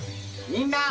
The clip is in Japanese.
みんな！